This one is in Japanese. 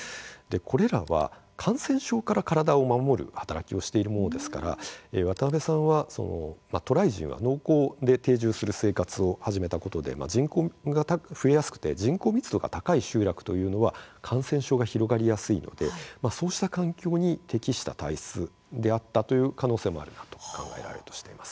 これらは、感染症から体を守る働きをしているものですから渡部さんは、渡来人は農耕で定住する生活を始めたことで人口が増えやすくて人口密度が高い集落というのは感染症が広がりやすいのでそうした環境に適した体質であったという可能性もあるんだと考えられるとしています。